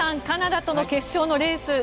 カナダとの決勝のレース